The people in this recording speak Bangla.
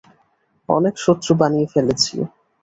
অনেক শত্রু বানিয়ে ফেলেছি।